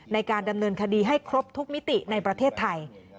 ในการดำเนินคดีให้ครบทุกมิติในประเทศไทย